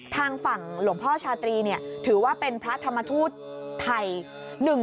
ทางฝั่งหลวงพ่อชาตรีถือว่าเป็นพระธรรมทูตไทย